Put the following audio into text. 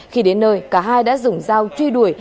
khi đến nơi cả hai đã dùng dao truy đuổi